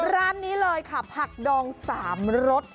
ร้านนี้เลยค่ะผักดอง๓รส